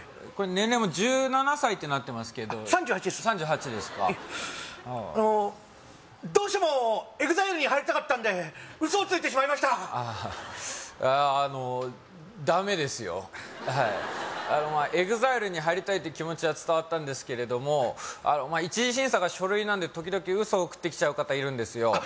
これ年齢も１７歳ってなってますけど３８です３８ですかどうしてもＥＸＩＬＥに入りたかったんで嘘をついてしまいましたあのダメですよはいＥＸＩＬＥに入りたいって気持ちは伝わったんですけれども一次審査が書類なんで時々嘘送ってきちゃう方いるんですよ